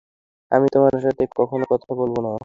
আমি তোমার সাথে আর কখনো কথা বলবো না।